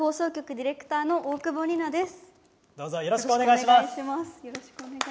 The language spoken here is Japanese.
ディレクターの大久保丹奈です。